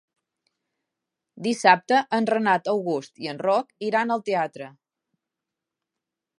Dissabte en Renat August i en Roc iran al teatre.